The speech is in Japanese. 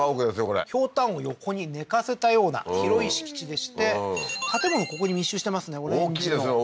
これひょうたんを横に寝かせたような広い敷地でして建物ここに密集してますね大きいですよ